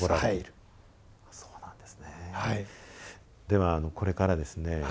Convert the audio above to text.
ではこれからですね